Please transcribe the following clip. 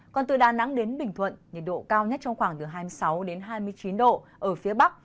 còn từ đà nẵng đến bình thuận nhiệt độ cao nhất trong khoảng từ hai mươi sáu hai mươi chín độ ở phía bắc